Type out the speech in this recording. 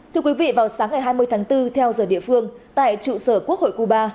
thưa quý vị vào sáng ngày hai mươi tháng bốn theo giờ địa phương tại trụ sở quốc hội cuba